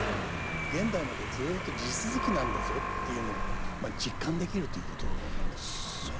現代までずっと地続きなんだぞっていうのをまあ実感できるということなのかもしれませんね。